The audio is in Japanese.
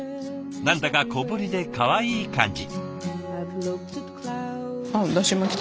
何だか小ぶりでかわいい感じ。